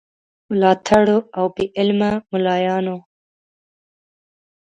ملاتړو او بې علمو مُلایانو.